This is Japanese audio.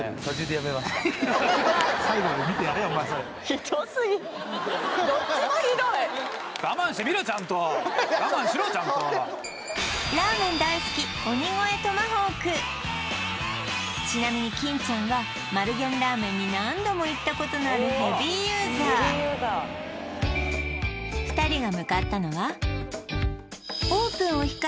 ひどすぎちゃんと我慢しろちゃんとちなみに金ちゃんは丸源ラーメンに何度も行ったことのあるヘビーユーザーはいこんにちは！